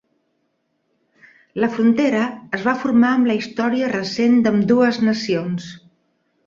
La frontera es va formar amb la història recent d'ambdues nacions.